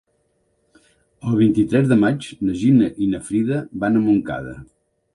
El vint-i-tres de maig na Gina i na Frida van a Montcada.